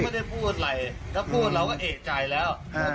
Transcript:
เขาก็ไม่ได้พูดอะไรเขาพูดเราก็เอกใจแล้วอ่า